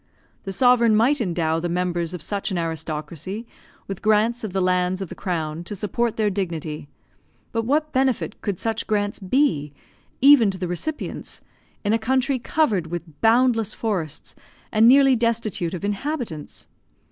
The sovereign might endow the members of such an aristocracy with grants of the lands of the crown to support their dignity, but what benefit could such grants be, even to the recipients, in a country covered with boundless forests and nearly destitute of inhabitants?